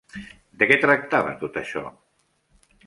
De què tractava tot això?